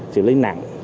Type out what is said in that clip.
xử lý nặng